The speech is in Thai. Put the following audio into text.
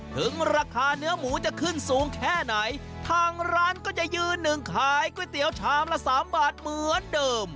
ถึงราคาเนื้อหมูจะขึ้นสูงแค่ไหนทางร้านก็จะยืนหนึ่งขายก๋วยเตี๋ยวชามละสามบาทเหมือนเดิม